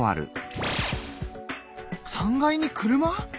３階に車！？